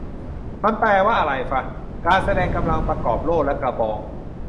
มันแปลว่าอะไรฟะ "การแสดงกำลังประกอบโล่และกระบอง"